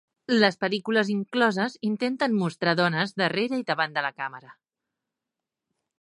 Les pel·lícules incloses intenten mostrar dones darrera i davant de la càmera.